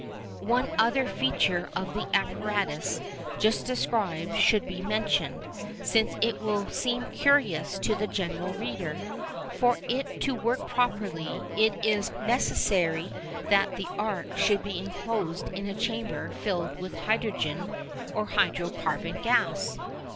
One other feature of the apparatus just described should be mentioned, since it will seem curious to the general reader. For it to work properly it is necessary that the arc should be enclosed in a chamber filled with hydrogen or a hydro carbon gas.